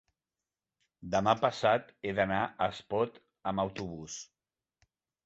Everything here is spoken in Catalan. demà passat he d'anar a Espot amb autobús.